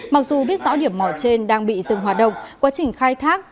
mặc dù biết rõ điểm mỏ trên đang bị dừng hoạt động quá trình khai thác